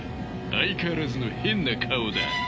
相変わらずの変な顔だ。